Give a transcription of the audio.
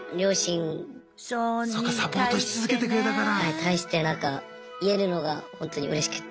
対してなんか言えるのがほんとにうれしくて。